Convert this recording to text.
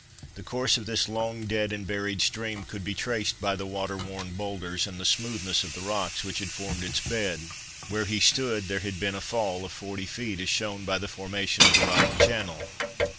The course of this long dead and buried stream could be traced by the water worn boulders and the smoothness of the rocks which had formed its bed. Where he stood, there had been a fall of forty feet as shown by the formation of the rocky channel.